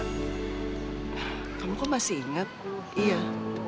kamu kok masih inget